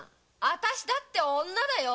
私だって女だよ。